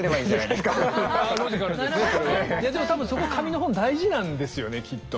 いやでも多分そこ紙の本大事なんですよねきっと。